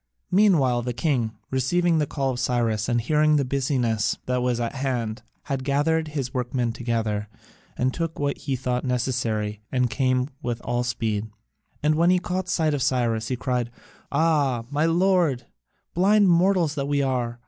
Meanwhile the king, receiving the call of Cyrus, and hearing the business that was at hand, had gathered his workmen together and took what he thought necessary and came with all speed. And when he caught sight of Cyrus, he cried: "Ah, my lord, blind mortals that we are!